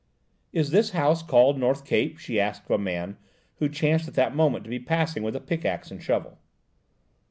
"Is this house called North Cape?" she asked of a man, who chanced at that moment to be passing with a pickaxe and shovel.